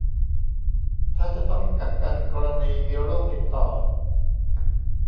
ถ้าจะต้องกักกันกรณีมีโรคติดต่อ